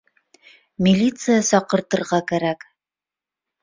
Ми лиция саҡыртырға кәрәк